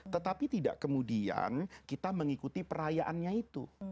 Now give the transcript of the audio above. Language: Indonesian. tetapi tidak kemudian kita mengikuti perayaannya itu